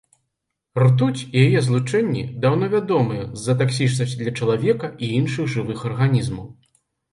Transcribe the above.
Ртуць і яе злучэнні даўно вядомыя з-за таксічнасці для чалавека і іншых жывых арганізмаў.